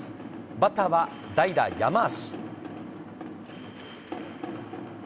バッターは代打、山足。